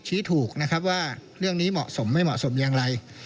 ชี้ถูกนะครับว่าเรื่องนี้เหมาะสมไม่เหมาะสมอย่างไร